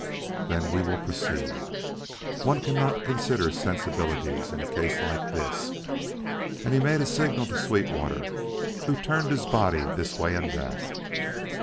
"Then we will proceed. One cannot consider sensibilities in a case like this." And he made a signal to Sweetwater, who turned his body this way and that.